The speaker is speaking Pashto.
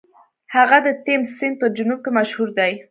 هغه د تیمس سیند په جنوب کې مشهور دی.